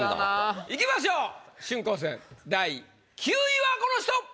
いきましょう春光戦第９位はこの人！